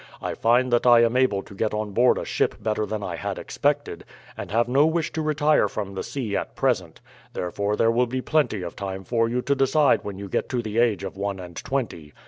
I find that I am able to get on on board a ship better than I had expected, and have no wish to retire from the sea at present; therefore there will be plenty of time for you to decide when you get to the age of one and twenty.